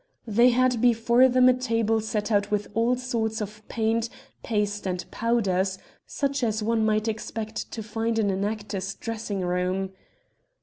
"They had before them a table set out with all sorts of paint, paste, and powders, such as one might expect to find in an actor's dressing room.